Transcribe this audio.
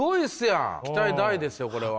期待大ですよこれは。